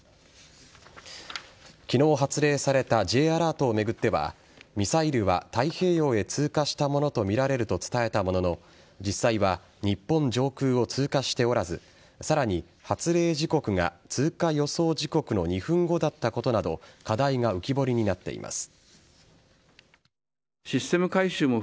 昨日発令されたＪアラートを巡ってはミサイルは太平洋へ通過したものとみられると伝えたものの実際は日本上空を通過しておらずさらに発令時刻が通過予想時刻の２分後だったことなど課題が浮き彫りになっています。